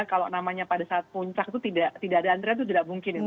kalau namanya pada saat puncak itu tidak ada antrian itu tidak mungkin ya